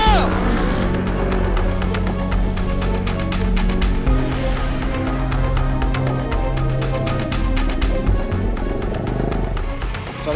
bukan kamu sendiri